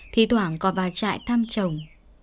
thì thoảng còn vào trại thăm chồng